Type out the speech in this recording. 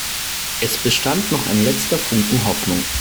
Es bestand noch ein letzter Funken Hoffnung.